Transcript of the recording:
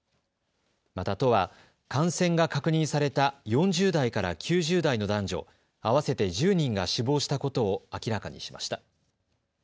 また、都は感染が確認された４０代から９０代の男女合わせて１０人が死亡したことを明らかにしました。